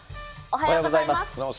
おはようございます。